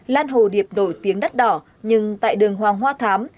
lan hồ điệp nổi tiếng đắt đỏ nhưng tại đường hoàng hoa thám